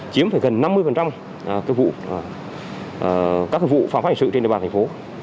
chiếm gần năm mươi các vụ phá hoạch hình sự trên địa bàn thành phố